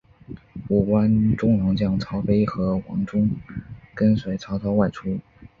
五官中郎将曹丕和王忠跟随曹操外出。